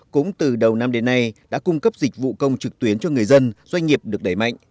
cũng từ đầu năm đến nay đã cung cấp dịch vụ công trực tuyến cho người dân doanh nghiệp được đẩy mạnh